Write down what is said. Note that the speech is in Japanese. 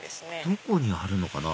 どこにあるのかな？